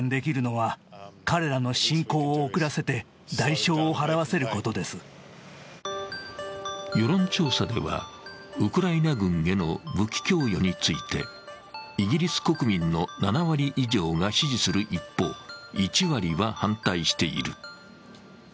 イギリス国民は世論調査では、ウクライナ軍への武器供与について、イギリス国民の７割以上が支持する一方、１割は反対している。